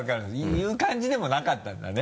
言う感じでもなかったんだね。